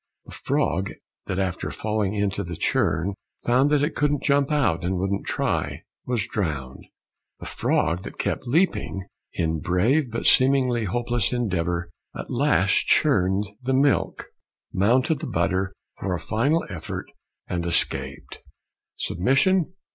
The frog that after falling into the churn found that it couldn't jump out and wouldn't try, was drowned. The frog that kept leaping in brave but seemingly hopeless endeavor at last churned the milk, mounted the butter for a final effort, and escaped. Submission?